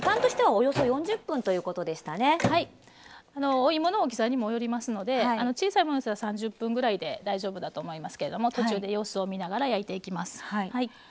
おいもの大きさにもよりますので小さいものでしたら３０分ぐらいで大丈夫だと思いますけれども途中で様子を見ながら焼いていきます。